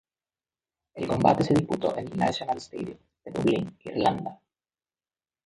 El combate se disputó en el National Stadium, de Dublín, Irlanda.